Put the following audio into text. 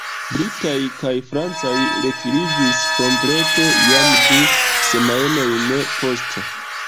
Britaj kaj francaj retiriĝis komplete jam du semajnojn poste.